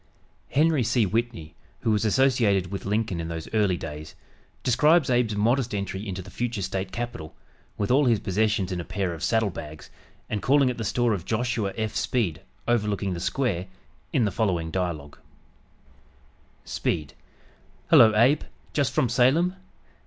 Henry C. Whitney, who was associated with Lincoln in those early days, describes Abe's modest entry into the future State capital, with all his possessions in a pair of saddle bags, and calling at the store of Joshua F. Speed, overlooking "the square," in the following dialogue: Speed "Hello, Abe, just from Salem?"